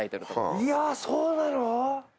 いやそうなの？